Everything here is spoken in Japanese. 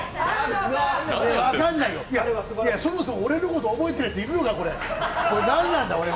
そもそも俺のこと覚えている奴いるのか。